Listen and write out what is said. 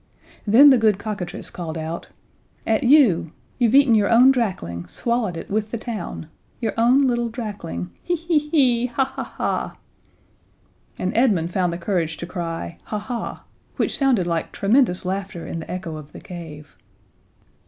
Then the good cockatrice called out: "At you! You've eaten your own drakling swallowed it with the town. Your own little drakling! He, he, he! Ha, ha, ha!" And Edmund found the courage to cry "Ha, ha!" which sounded like tremendous laughter in the echo of the cave.